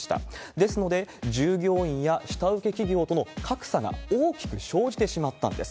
ですので、従業員や下請け企業との格差が大きく生じてしまったんです。